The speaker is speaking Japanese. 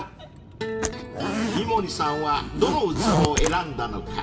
［井森さんはどの器を選んだのか］